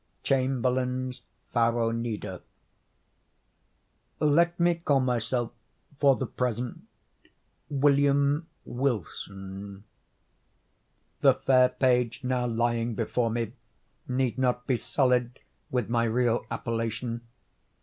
—Chamberlayne's Pharronida. Let me call myself, for the present, William Wilson. The fair page now lying before me need not be sullied with my real appellation.